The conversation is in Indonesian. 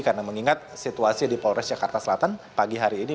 karena mengingat situasi di polres jakarta selatan pagi hari ini